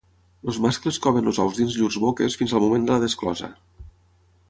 Els mascles coven els ous dins llurs boques fins al moment de la desclosa.